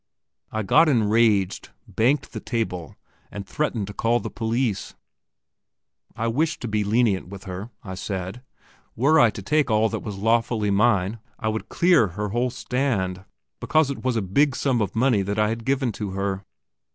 I got enraged, banked the table, and threatened to call the police. I wished to be lenient with her, I said. Were I to take all that was lawfully mine, I would clear her whole stand, because it was a big sum of money that I had given to her.